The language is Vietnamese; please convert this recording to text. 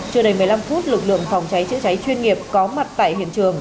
chưa đầy một mươi năm phút lực lượng phòng cháy chữa cháy chuyên nghiệp có mặt tại hiện trường